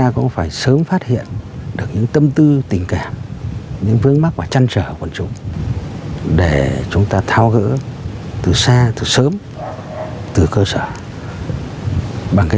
cần phải xây dựng phong trào toàn dân bảo vệ an ninh tổ quốc